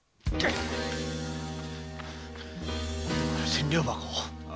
千両箱を？